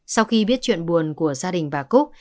sau khi biết chuyện buồn của gia đình bà cúc